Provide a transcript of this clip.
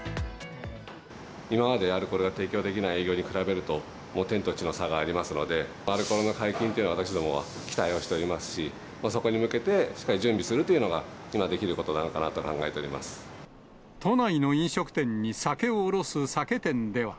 今までのアルコールが提供できない営業に比べると、もう天と地の差がありますので、アルコールの解禁というのは私どもは期待はしておりますし、そこに向けてしっかり準備するというのが、今できることなのかな都内の飲食店に酒を卸す酒店では。